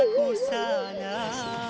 masih kefir allah